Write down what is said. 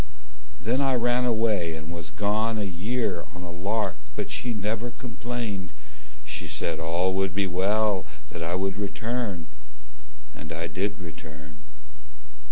Then I ran away and was gone a year on a lark. But she never complained. She said all would be well That I would return. And I did return.